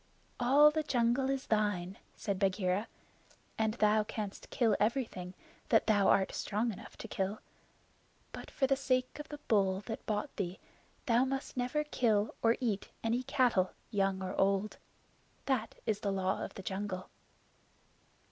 "All the jungle is thine," said Bagheera, "and thou canst kill everything that thou art strong enough to kill; but for the sake of the bull that bought thee thou must never kill or eat any cattle young or old. That is the Law of the Jungle."